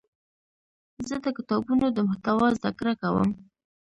زه د کتابونو د محتوا زده کړه کوم.